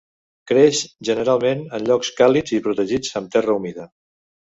Creix generalment en llocs càlids i protegits amb terra humida.